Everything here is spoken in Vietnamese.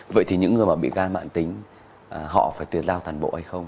vậy thì những người mà bị gan mạng tính họ phải tuyệt lao toàn bộ hay không